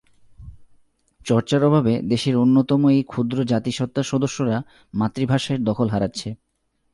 চর্চার অভাবে দেশের অন্যতম এই ক্ষুদ্র জাতিসত্তার সদস্যরা মাতৃভাষায় দখল হারাচ্ছে।